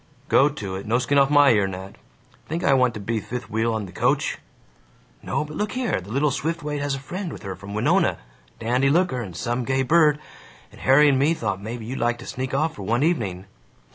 "Go to it. No skin off my ear, Nat. Think I want to be fifth wheel in the coach?" "No, but look here: The little Swiftwaite has a friend with her from Winona, dandy looker and some gay bird, and Harry and me thought maybe you'd like to sneak off for one evening."